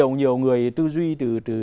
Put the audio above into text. nhiều người tư duy từ xưa